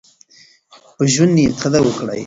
په ژوند يې قدر وکړئ.